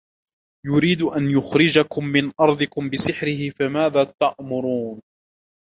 يريد أن يخرجكم من أرضكم بسحره فماذا تأمرون